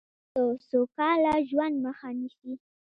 دښمن د سوکاله ژوند مخه نیسي